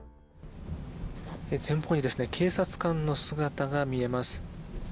前方に警察官の姿が見えます。